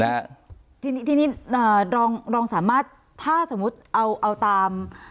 นะฮะทีนี้ทีนี้อ่าลองลองสามารถถ้าสมมุติเอาเอาตาม